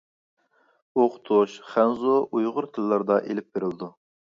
ئوقۇتۇش خەنزۇ، ئۇيغۇر تىللىرىدا ئېلىپ بېرىلىدۇ.